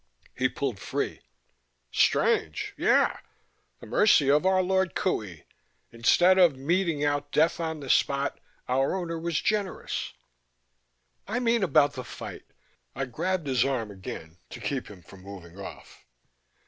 He pulled free. "Strange? Yea, the mercy of our Lord Qohey! Instead of meting out death on the spot, our Owner was generous " "I mean about the fight." I grabbed his arm again to keep him from moving off.